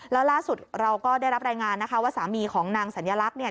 แล้วล่าสุดเราก็ได้รับรายงานนะคะว่าสามีของนางสัญลักษณ์เนี่ย